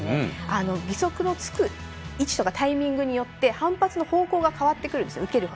義足のつく位置とかタイミングによって反発の方向が変わってくるんですよ。